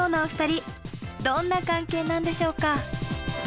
どんな関係なんでしょうか？